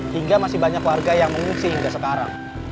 hingga masih banyak warga yang mengungsi hingga sekarang